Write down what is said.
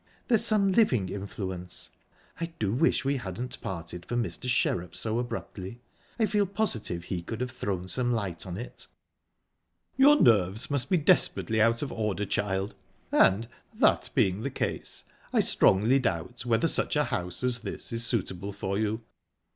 There's some living influence...I do wish we hadn't parted from Mr. Sherrup so abruptly. I feel positive he could have thrown some light on it." "Your nerves must be desperately out of order, child, and, that being the case, I strongly doubt whether such a house as this is suitable for you.